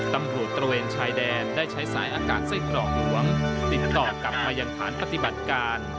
ตระเวนชายแดนได้ใช้สายอากาศไส้กรอกหลวงติดต่อกลับไปยังฐานปฏิบัติการ